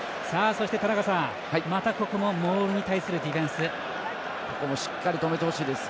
そして、田中さんまた、ここもモールにしっかり止めてほしいです。